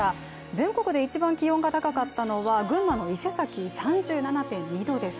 全国で一番気温が高かったのは群馬の伊勢崎、３７．２度です。